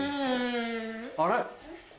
あれ？